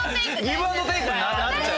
ギブ・アンド・テイクになっちゃう。